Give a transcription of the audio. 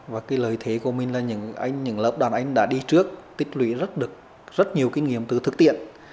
và cái lợi thế của mình là những lớp đàn anh đã đi trước tích lũy rất được rất nhiều kinh nghiệm từ thực tiện